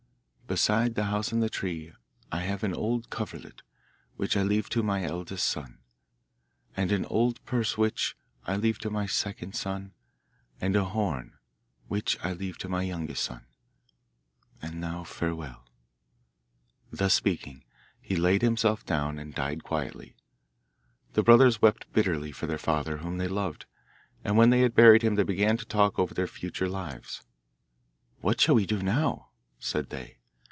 Besides the house and tree, I have an old coverlet, which I leave to my eldest son. And an old purse, which I leave to my second son. And a horn, which I leave to my youngest son. And now farewell.' Thus speaking, he laid himself down, and died quietly. The brothers wept bitterly for their father, whom they loved, and when they had buried him they began to talk over their future lives. 'What shall we do now?' said they.